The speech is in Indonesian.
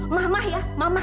mamah ya mamah